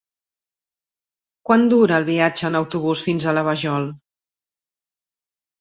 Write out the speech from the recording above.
Quant dura el viatge en autobús fins a la Vajol?